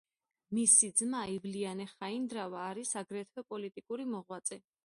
მისი ძმა ივლიანე ხაინდრავა, არის აგრეთვე პოლიტიკური მოღვაწე.